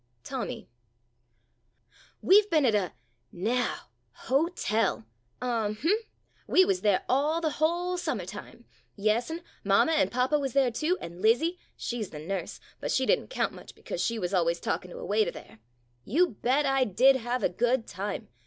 Tommy We 've been at a — now — hotel ! Um hum — we wuz there all the whole summertime. Yes, 'ri mamma and papa wuz there too, and Lizzie— she 's the nurse — but she did n't count much because she wuz always talkin' to a waiter there. ... You bet I did have a good time.